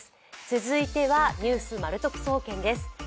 続いては「ニュース得総研」です。